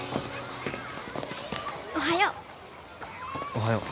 おはよう。